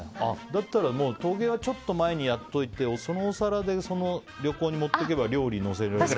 だったら陶芸はちょっと前にやっておいてそのお皿で旅行に持っていけば料理がのせられる。